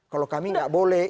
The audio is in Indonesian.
kalau kami nggak boleh